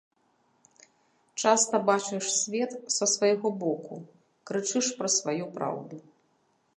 Часта бачыш свет са свайго боку, крычыш пра сваю праўду.